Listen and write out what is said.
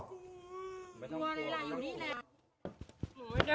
จริงวันไหลอยู่นี่แหละ